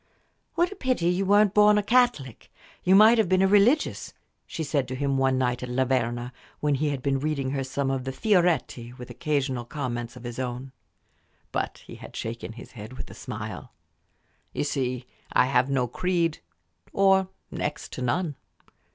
"What a pity you weren't born a Catholic! you might have been a religious," she said to him one night at La Verna, when he had been reading her some of the Fioretti with occasional comments of his own. But he had shaken his head with a smile. "You see, I have no creed or next to none."